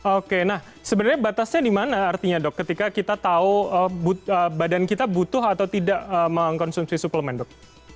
oke nah sebenarnya batasnya di mana artinya dok ketika kita tahu badan kita butuh atau tidak mengkonsumsi suplemen dok